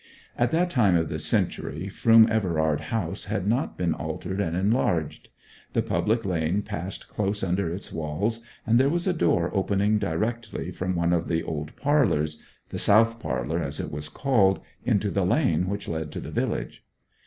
At that time of the century Froom Everard House had not been altered and enlarged; the public lane passed close under its walls; and there was a door opening directly from one of the old parlours the south parlour, as it was called into the lane which led to the village.